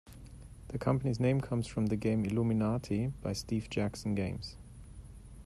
The company's name comes from the game Illuminati by Steve Jackson Games.